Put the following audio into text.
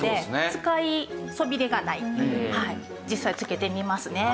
実際付けてみますね。